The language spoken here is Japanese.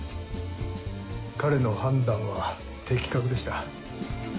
彼の判断は的確でした。